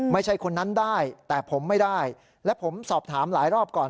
ไม่ใช่คนนั้นได้แต่ผมไม่ได้และผมสอบถามหลายรอบก่อน